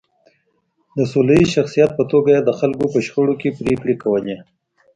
د سوله ییز شخصیت په توګه یې د خلکو په شخړو کې پرېکړې کولې.